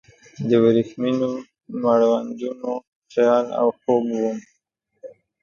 د وریښمینو مړوندونو خیال او خوب وم